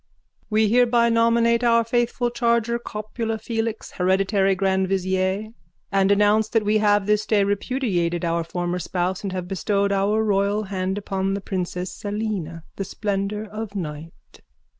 We hereby nominate our faithful charger Copula Felix hereditary Grand Vizier and announce that we have this day repudiated our former spouse and have bestowed our royal hand upon the princess Selene, the splendour of night.